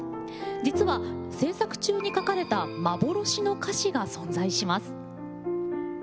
実は制作中に書かれた幻の歌詞が存在します。